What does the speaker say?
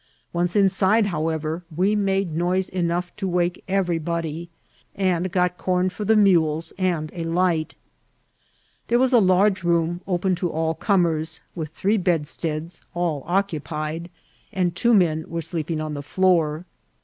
Chice inside, how« ever, we made noise enough to wake everybody, and got com for the mules and a light There was a large room open to all comers, vnth three bedsteads, all oc cupied, and two men were sleeping on the floor.